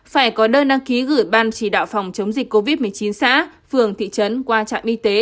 phải có đơn đăng ký gửi ban chỉ đạo phòng chống dịch covid một mươi chín xã phường thị trấn qua trạm y tế